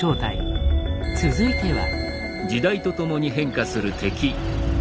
続いては。